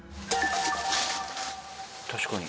確かに。